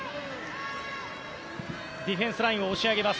ディフェンスラインを押し上げます。